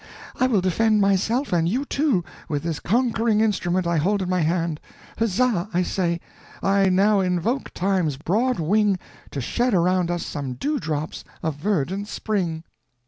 I will defend myself and you, too, with this conquering instrument I hold in my hand; huzza, I say, I now invoke time's broad wing to shed around us some dewdrops of verdant spring."